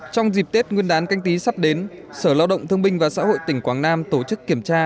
trong dịp tết nguyên đán canh tí sắp đến sở lao động thương binh và xã hội tỉnh quảng nam tổ chức kiểm tra